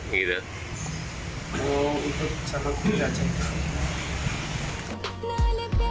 mau ikut sama kulit aja